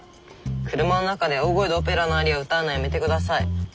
車の中で大声でオペラのアリアを歌うのはやめてください。